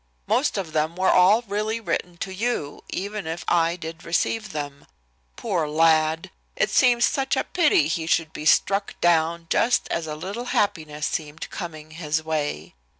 Most of them were all really written to you, even if I did receive them. Poor lad! It seems such a pity he should be struck down just as a little happiness seemed coming his way."